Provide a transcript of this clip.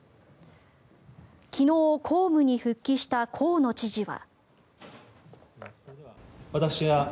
昨日、公務に復帰した河野知事は。